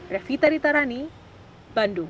revita ditarani bandung